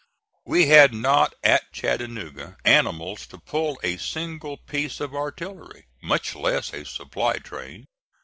We had not at Chattanooga animals to pull a single piece of artillery, much less a supply train.